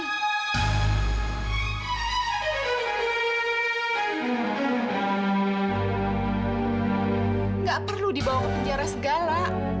tidak perlu dibawa ke penjara segala